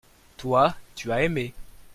toi tu as aimé.